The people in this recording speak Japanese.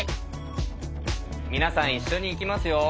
皆さん一緒にいきますよ。